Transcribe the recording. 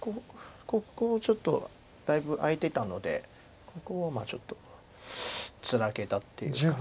ここちょっとだいぶ空いてたのでここをちょっとツナげたっていうか。